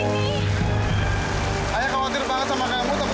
dia seorang bapak yang baik dia